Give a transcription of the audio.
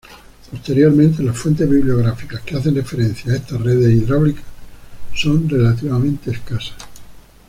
Posteriormente las fuentes bibliográficas que hacen referencia a estas redes hidráulicas son relativamente escasas.